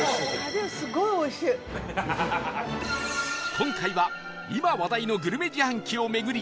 今回は今話題のグルメ自販機を巡り